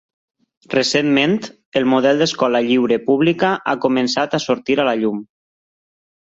Recentment, el model d’escola lliure pública ha començat a sortir a la llum.